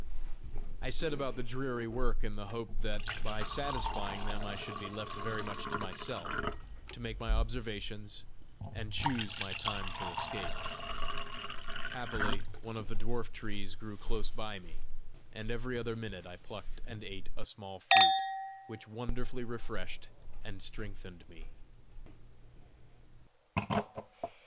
I set about the dreary work in the hope that by satisfying them I should be left very much to myself to make my observations and choose my time for escape. Happily one of the dwarf trees grew close by me, and every other minute I plucked and ate a small fruit, which wonderfully refreshed and strengthened me.